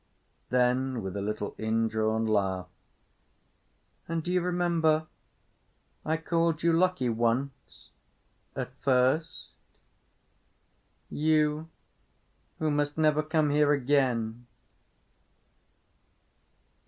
Then with a little indrawn laugh, "and, d'you remember, I called you lucky—once—at first. You who must never come here again!"